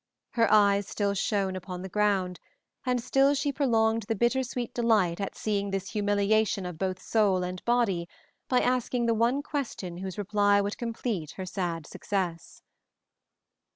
Her eyes still shone upon the ground, and still she prolonged the bittersweet delight at seeing this humiliation of both soul and body by asking the one question whose reply would complete her sad success.